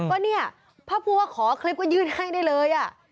ก็เนี่ยถ้าพูดว่าขอคลิปก็ยื่นให้ได้เลย